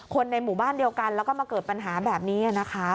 ในหมู่บ้านเดียวกันแล้วก็มาเกิดปัญหาแบบนี้นะคะ